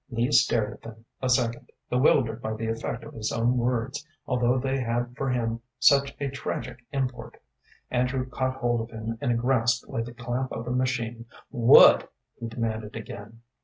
Lee stared at them a second, bewildered by the effect of his own words, although they had for him such a tragic import. Andrew caught hold of him in a grasp like the clamp of a machine. "What?" he demanded again.